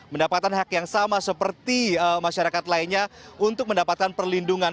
mendapatkan hak yang sama seperti masyarakat lainnya untuk mendapatkan perlindungan